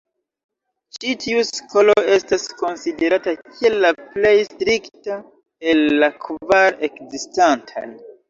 Ĉi tiu skolo estas konsiderata kiel la plej strikta el la kvar ekzistantaj.